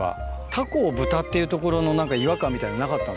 タコをぶたというところの違和感みたいなのなかったんですか？